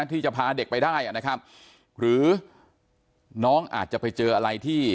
ที่จะพาเด็กไปได้นะครับหรือน้องอาจจะไปเจออะไรที่